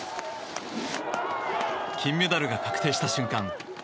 金メダルが確定した瞬間